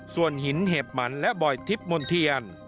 ส่วนหินเห็บหมันและบ่อยทิพย์มนเทียน